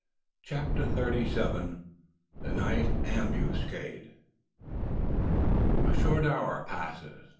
CHAPTER THIRTY SEVEN. THE NIGHT AMBUSCADE. A short hour passes.